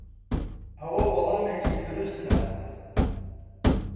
ئەوە وەڵامێکی دروستە.